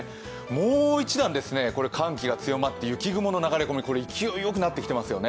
もう一段寒気が強まって雪雲の流れ込みが勢いよくなってきていますよね。